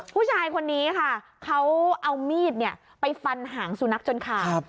ผู้ชายคนนี้ค่ะเขาเอามีดเนี่ยไปฟันหางสู่นักจนคาครับ